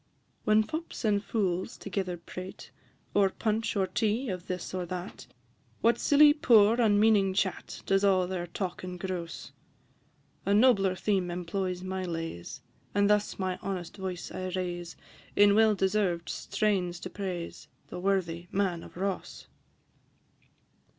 "_ I. When fops and fools together prate, O'er punch or tea, of this or that, What silly poor unmeaning chat Does all their talk engross! A nobler theme employs my lays, And thus my honest voice I raise In well deserved strains to praise The worthy Man of Ross.